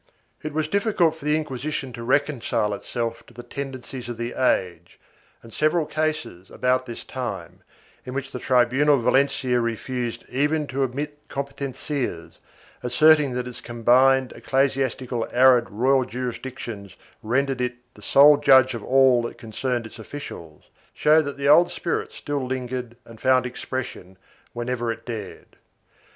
3 It was difficult for the Inquisition to reconcile itself to the tendencies of the age and several cases, about this time, in which the tribunal of Valencia refused even to admit competencias, asserting that its combined ecclesiastical arid royal jurisdictions rendered it the sole judge of all that concerned its officials, show that the old spirit still lingered and found expression whenever it dared.